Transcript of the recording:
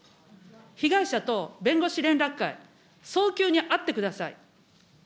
被害者と弁護士連絡会、早急に会ってください。